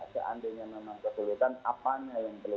keandainya memang kesulitan apanya yang